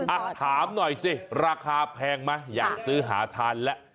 อ่ะถามหน่อยสิราคาแพงไหมอยากซื้อหาทานแล้ว